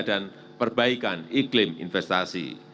dan perbaikan iklim investasi